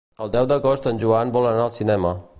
El deu d'agost en Joan vol anar al cinema.